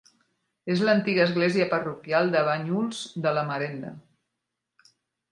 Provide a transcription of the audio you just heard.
És l'antiga església parroquial de Banyuls de la Marenda.